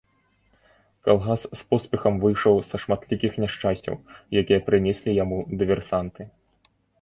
Калгас з поспехам выйшаў з шматлікіх няшчасцяў, якія прынеслі яму дыверсанты.